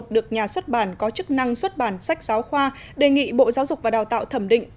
được nhà xuất bản có chức năng xuất bản sách giáo khoa đề nghị bộ giáo dục và đào tạo thẩm định